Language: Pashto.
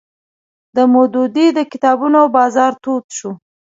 د مودودي کتابونو بازار تود شو